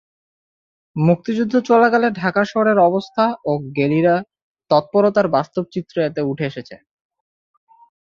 মুক্তিযুদ্ধ চলাকালে ঢাকা শহরের অবস্থা ও গেরিলা তৎপরতার বাস্তব চিত্র এতে উঠে এসেছে।